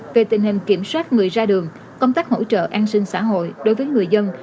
về tình hình kiểm soát người ra đường công tác hỗ trợ an sinh xã hội đối với người dân